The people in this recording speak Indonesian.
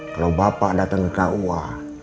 kalau bapak datang ke kua